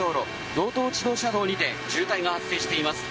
道東自動車道にて渋滞が発生しています。